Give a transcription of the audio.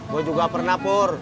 gue juga pernah pur